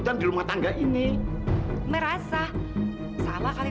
kamu yang kuat ya fin